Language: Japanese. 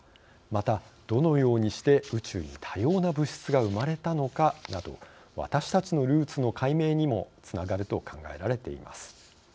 また、どのようにして宇宙に多様な物質が生まれたのかなど私たちのルーツの解明にもつながると考えられています。